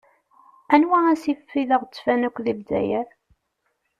Anwa asif i d aɣezzfan akk di Lezzayer?